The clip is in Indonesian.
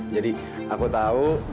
jadi aku tau